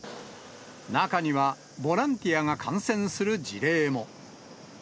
中には、ボランティアが感染する事例も。